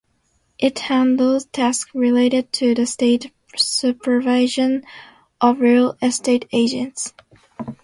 It handles tasks related to the state supervision of real estate agents.